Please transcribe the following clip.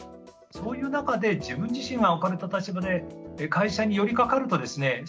そういう中で自分自身が置かれた立場で会社に寄りかかるとですね